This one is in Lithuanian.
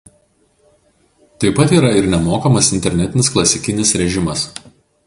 Taip pat yra ir nemokamas internetinis klasikinis režimas.